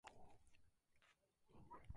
Vivió en Argelia en trabajos esporádicos.